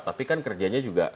tapi kan kerjanya juga